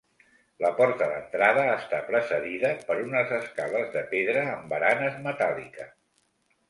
La porta d'entrada està precedida per unes escales de pedra amb baranes metàl·liques.